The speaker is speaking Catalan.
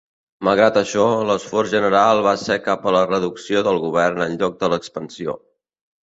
Malgrat això, l'esforç general va ser cap a la reducció del govern en lloc de l'expansió.